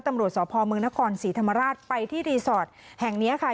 ตำรวจสพเมืองนครศรีธรรมราชไปที่รีสอร์ทแห่งนี้ค่ะ